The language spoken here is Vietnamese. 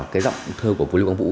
cái giọng thơ của lưu quang vũ